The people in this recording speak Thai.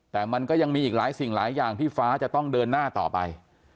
แต่มันก็ยังมีอีกหลายสิ่งหลายอย่างที่ฟ้าจะต้องเดินหน้าต่อไป